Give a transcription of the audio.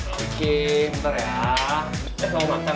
bikin ntar ya kita mau makan